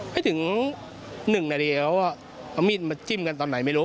ไม่ถึง๑นาทีแล้วเอามีดมาจิ้มกันตอนไหนไม่รู้